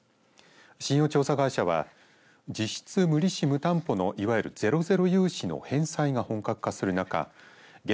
信用調査会社は実質無利子、無担保のいわゆるゼロゼロ融資の返済が本格化する中原